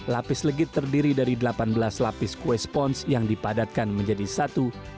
lapis legit terdiri dari delapan belas lapis kue sponge yang dipadatkan menjadi satu